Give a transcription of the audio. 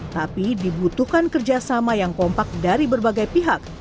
tapi dibutuhkan kerjasama yang kompak dari berbagai pihak